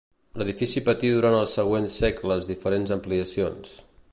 L'edifici patir durant els següents segles diferents ampliacions.